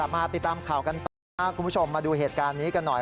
มาติดตามข่าวกันต่อคุณผู้ชมมาดูเหตุการณ์นี้กันหน่อย